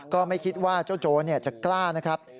ก็ไม่คิดว่าเจ้าโจรจะกล้านะครับ